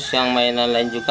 yang mainan lain juga